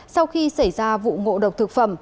sau khi xảy ra vụ ngộ độc thực phẩm